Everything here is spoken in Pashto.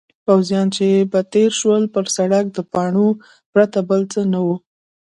پوځیان چې به تېر شول پر سړک د پاڼو پرته بل څه نه وو.